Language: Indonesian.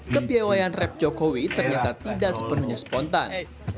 kebiawayan rap jokowi ternyata tidak sepenuhnya spontan